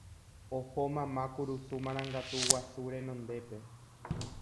oho mama kurusu marangatu guasu renondépe